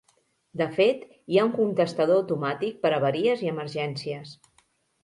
De fet, hi ha un contestador automàtic per a avaries i emergències.